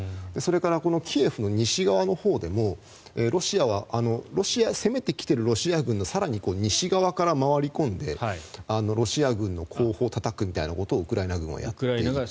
それからキエフの西側のほうでも攻めてきているロシア軍の更に西側から回り込んでロシア軍の後方をたたくみたいなことをウクライナがやっている。